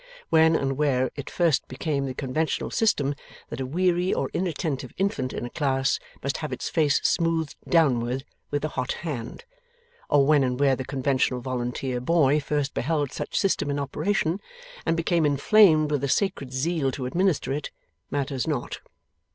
When and where it first became the conventional system that a weary or inattentive infant in a class must have its face smoothed downward with a hot hand, or when and where the conventional volunteer boy first beheld such system in operation, and became inflamed with a sacred zeal to administer it, matters not.